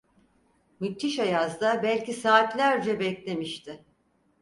Müthiş ayazda belki saatlerce beklemişti…